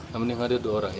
yang hadir dua orang